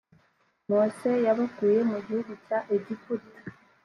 mose yabakuye mu gihugu cya egiputa